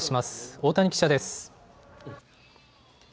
大谷記者です。